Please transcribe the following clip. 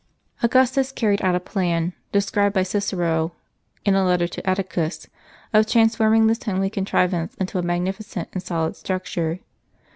Augustus carried out a plan, described by Cicero in a letter to Atticus,t of transforming this homely contrivance into a magnificent and solid structure.